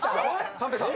三平さん！